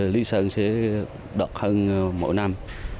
lý sơn sẽ đợt hơn mỗi năm